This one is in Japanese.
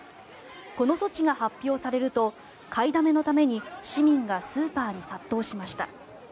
この措置が発表されると買いだめのために市民がスーパーに殺到しました。